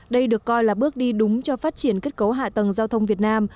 đây được coi là bước đi đúng cho phát triển kết cấu hạ tầng giao thông việt nam